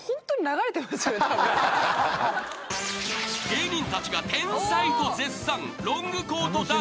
［芸人たちが天才と絶賛ロングコートダディ］